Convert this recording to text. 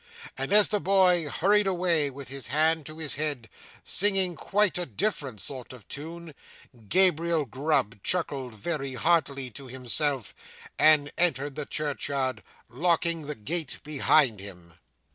And as the boy hurried away with his hand to his head, singing quite a different sort of tune, Gabriel Grub chuckled very heartily to himself, and entered the churchyard, locking the gate behind him.